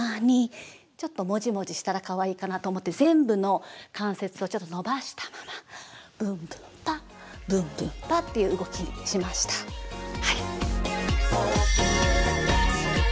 ちょっとモジモジしたらかわいいかなと思って全部の関節をちょっと伸ばしたままブンブンパブンブンパっていう動きにしましたはい。